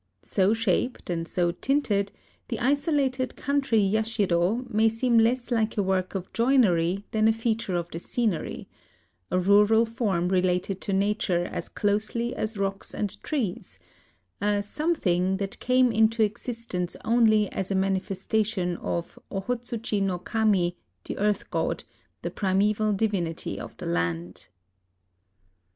So shaped and so tinted, the isolated country yashiro may seem less like a work of joinery than a feature of the scenery, — a rural form related to nature as closely as rocks and trees, — a something that came into existence only as a manifestation of Ohotsuchi no Kami, the Earth god, the pri meval divinity of the land.